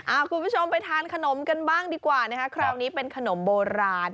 คุณผู้ชมไปทานขนมกันบ้างดีกว่านะคะคราวนี้เป็นขนมโบราณ